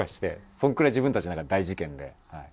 そのくらい自分たちの中で大事件で。